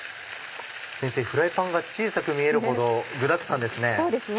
先生フライパンが小さく見えるほど具だくさんですね。